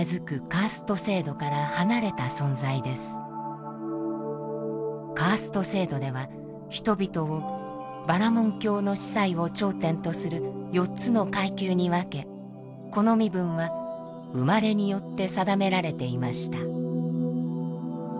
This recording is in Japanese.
カースト制度では人々をバラモン教の司祭を頂点とする４つの階級に分けこの身分は生まれによって定められていました。